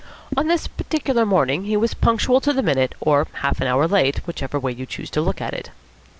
On this particular morning he was punctual to the minute, or half an hour late, whichever way you choose to look at it.